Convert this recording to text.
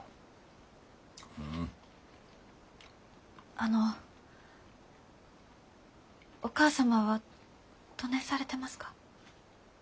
あのお義母様はどねんされてますか？